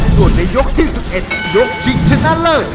ส่วนในยกที่๑๑ยกชิงชนะเลิศ